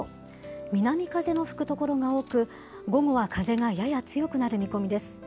南風の吹く所が多く、午後は風がやや強くなる見込みです。